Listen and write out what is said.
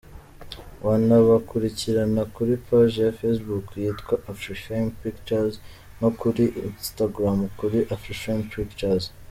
Wanabakurikirana kuri page ya Facebook yitwa Afrifame Pictures no kuri Instagram kuri AfrifamePictures.